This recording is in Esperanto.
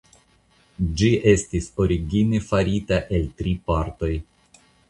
Ĝi estis origine farita el tri partoj.